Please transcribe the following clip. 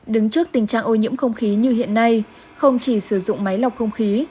đứng trước tình trạng ô nhiễm không khí như hiện nay không chỉ sử dụng máy lọc không khí